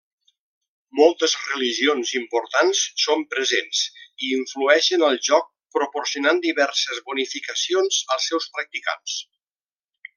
Moltes religions importants són presents i influeixen el joc proporcionant diverses bonificacions als seus practicants.